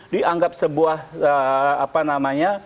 dianggap sebuah apa namanya